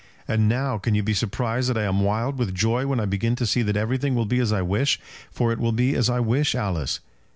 And, now, can you be surprised that I am wild with joy when I begin to see that everything will be as I wish; for it will be as I wish, Alice.